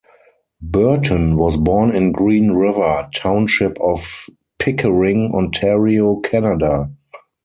Burton was born in Green River, township of Pickering, Ontario, Canada.